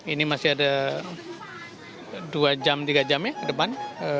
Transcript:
ini masih ada dua jam tiga jam ya ke depan